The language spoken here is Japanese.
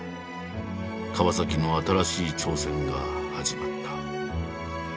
川の新しい挑戦が始まった。